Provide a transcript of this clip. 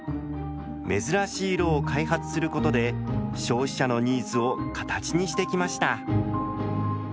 珍しい色を開発することで消費者のニーズを形にしてきました。